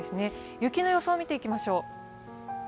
雪の様子を見ていきましょう。